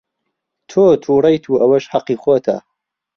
تۆ تووڕەیت و ئەوەش هەقی خۆتە.